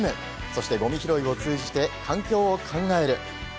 そしてゴミ拾いを通じて環境を考える。